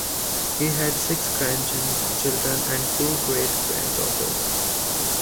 He had six grandchildren and two great-granddaughters.